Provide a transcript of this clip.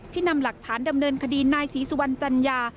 นำหลักฐานดำเนินคดีนายศรีสุวรรณจัญญา